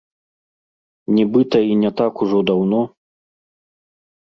Нібыта і не так ужо даўно.